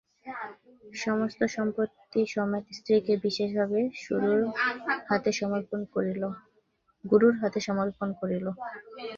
সমস্ত সম্পত্তি-সমেত স্ত্রীকে বিশেষভাবে গুরুর হাতে সমর্পণ করিল।